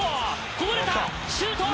こぼれた、シュート！